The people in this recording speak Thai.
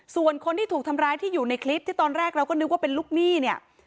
ส่วนคนที่ถูกทำร้ายที่อยู่ในคลิปที่ตอนแรกเราก็นึกว่าเป็นลูกหนี้เนี่ย